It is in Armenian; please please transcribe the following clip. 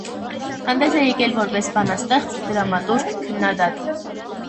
Հանդես է եկել որպես բանաստեղծ, դրամատուրգ, քննադատ։